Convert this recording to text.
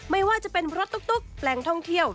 ไม่ว่าจะเป็นรถตุ๊กแปลงท่องเที่ยว